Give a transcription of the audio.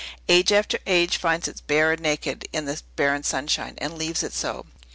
Age after age finds it bare and naked, in the barren sunshine, and leaves it so.